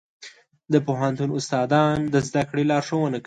د پوهنتون استادان د زده کړې لارښوونه کوي.